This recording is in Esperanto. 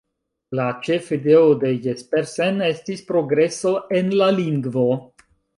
La ĉefideo de Jespersen estis progreso en la lingvo.